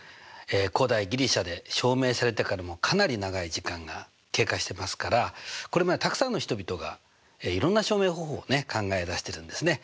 古代ギリシャで証明されてからかなり長い時間が経過してますからこれまでたくさんの人々がいろんな証明方法を考え出してるんですね。